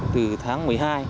từ tháng một mươi hai